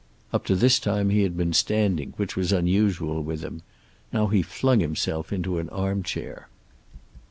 Up to this time he had been standing, which was unusual with him. Now he flung himself into an armchair.